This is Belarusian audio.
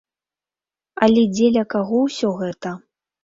Але дзеля каго ўсё гэта?